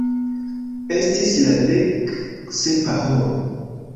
Estis la dek sepa horo.